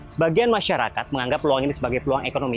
sebagian masyarakat menganggap peluang ini sebagai peluang ekonomi